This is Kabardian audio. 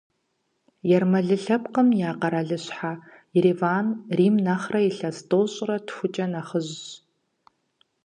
Ермэлы лъэпкъым я къалащхьэ Ереван Рим нэхъырэ илъэс тӏощӏрэ тхукӏэ нэхъыжьщ.